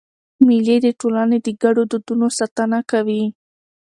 مېلې د ټولني د ګډو دودونو ساتنه کوي.